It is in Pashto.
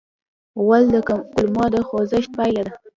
غول د کولمو د خوځښت پایله ده.